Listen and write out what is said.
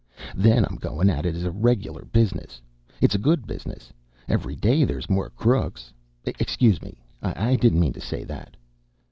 Then I'm goin' at it as a reg'lar business. It's a good business. Every day there's more crooks excuse me, I didn't mean to say that."